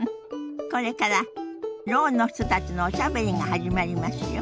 これからろうの人たちのおしゃべりが始まりますよ。